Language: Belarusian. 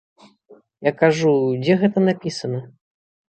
Я кажу, дзе гэта напісана?